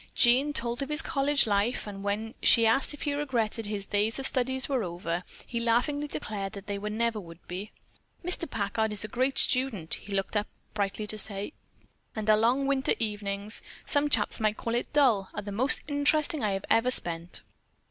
Jean told of his college life, and when she asked if he regretted that his days of study were over, he laughingly declared that they never would be. "Mr. Packard is a great student," he looked up brightly to say, "and our long winter evenings, that some chaps might call dull, are the most interesting I have ever spent.